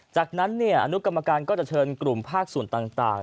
จากนั้นอนุกรรมการก็จะเชิญกลุ่มภาคส่วนต่าง